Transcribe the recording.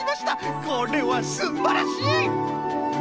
これはすんばらしい！